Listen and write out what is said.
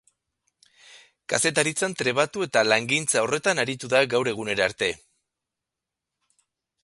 Kazetaritzan trebatu eta langintza horretan aritu da gaur egunera arte.